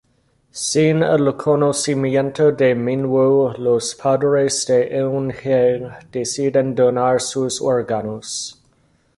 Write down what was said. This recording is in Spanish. Sin el conocimiento de Min-woo, los padres de Eun-hye deciden donar sus órganos.